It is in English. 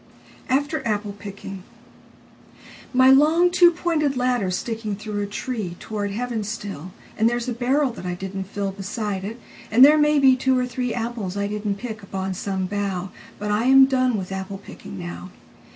10. After Apple picking MY long two pointed ladder's sticking through a treeToward heaven still, And there's a barrel that I didn't fillBeside it, and there may be two or threeApples I didn't pick upon some bough. But I am done with apple picking now.